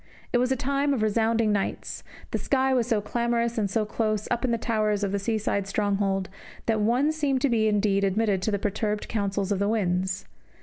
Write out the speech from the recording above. It was a time of resounding nights; the sky was so clamorous and so close, up in the towers of the seaside stronghold, that one seemed to be indeed admitted to the perturbed counsels of the winds.